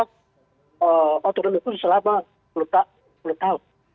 untuk menekut selama sepuluh tahun